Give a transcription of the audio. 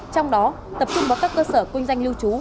trong đó tập trung vào các cơ sở kinh doanh lưu trú